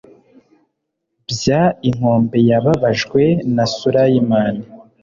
Bya inkombe yababajwe na surayimani